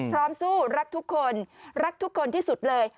สู้รักทุกคนรักทุกคนที่สุดเลย